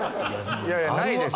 いやいやないですよ。